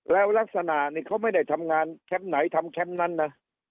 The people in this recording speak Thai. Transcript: แล้วลักษณะนี่เขาไม่ได้ทำงานแคมป์ไหนทำแคมป์นั้นนะ